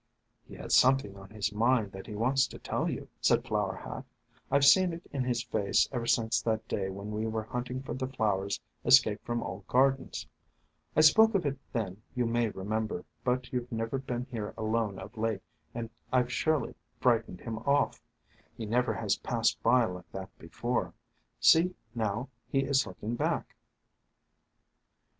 "He has something on his mind that he wants to tell you," said Flower Hat. "I 've seen it in his face ever since that day when we were hunt ing for the flowers escaped from old gardens. I spoke of it then, you may remember, but you 've never been here alone of late, and I 've surely frightened him off. He never has passed by like that before. See, now, he is looking back."